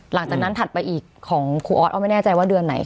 หลังจากนั้นถัดไปอีกของครูออสอไม่แน่ใจว่าเดือนไหน